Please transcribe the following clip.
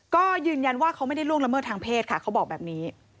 ก็ยืนยันว่าเขาไม่ได้ล่วงละเมิดทางเพศค่ะเขาบอกแบบนี้